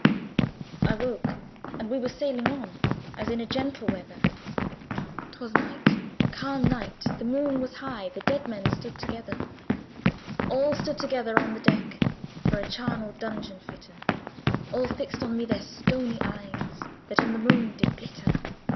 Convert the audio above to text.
I woke, and we were sailing on As in a gentle weather: 'Twas night, calm night, the Moon was high; The dead men stood together. All stood together on the deck, For a charnel dungeon fitter: All fixed on me their stony eyes, That in the Moon did glitter.